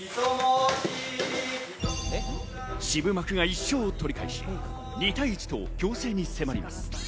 渋幕が１勝を取り返し、２対１と暁星に迫ります。